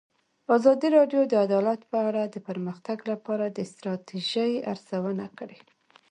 ازادي راډیو د عدالت په اړه د پرمختګ لپاره د ستراتیژۍ ارزونه کړې.